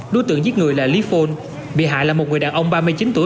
đối tượng giết người là lý phôn bị hại là một người đàn ông ba mươi chín tuổi